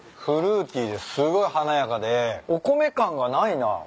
フルーティーですごい華やかでお米感がないな。